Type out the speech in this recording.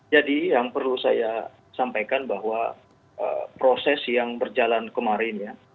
jadi yang perlu saya sampaikan bahwa proses yang berjalan kemarin ya